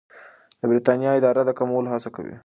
د بریتانیا اداره د کمولو هڅه کوي.